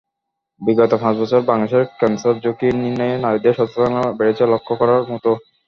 বিগত পাঁচ বছরে বাংলাদেশে ক্যানসার-ঝুঁকি নির্ণয়ে নারীদের সচেতনতা বেড়েছে লক্ষ করার মতো।